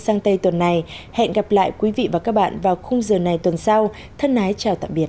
sang tây tuần này hẹn gặp lại quý vị và các bạn vào khung giờ này tuần sau thân ái chào tạm biệt